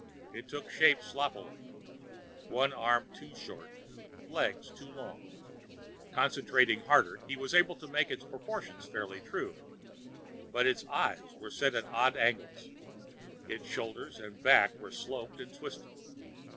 It took shape sloppily, one arm too short, legs too long. Concentrating harder, he was able to make its proportions fairly true. But its eyes were set at an odd angle; its shoulders and back were sloped and twisted.